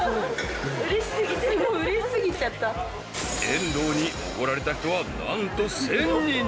［遠藤におごられた人は何と１，０００人に］